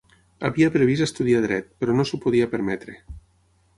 Havia previst estudiar dret, però no s'ho podia permetre.